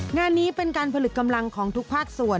งานนี้เป็นการผลึกกำลังของทุกภาคส่วน